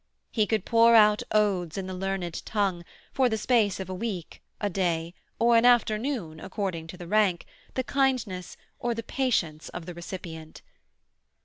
He could pour out odes in the learned tongue, for the space of a week, a day, or an afternoon according to the rank, the kindness or the patience of the recipient.